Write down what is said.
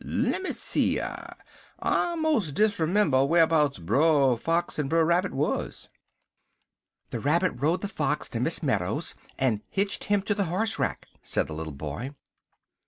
"Lemme see. I mos' dis'member wharbouts Brer Fox en Brer Rabbit wuz." "The rabbit rode the fox to Miss Meadows's, and hitched him to the horse rack," said the little boy.